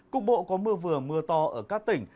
cục bộ có mưa vừa mưa to ở các tỉnh